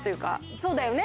そうだよね！